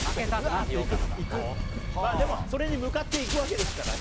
でも、それに向かっていくわけですからね。